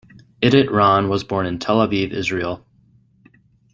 Idit Ron was born in Tel Aviv, Israel.